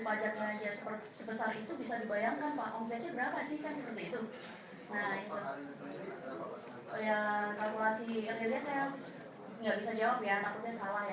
kami akan melakukan upaya upaya terlebih dahulu agar bisa lebih cepat